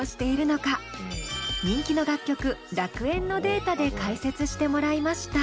人気の楽曲「楽園」のデータで解説してもらいました。